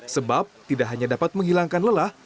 sebab tidak hanya dapat menghilangkan lelah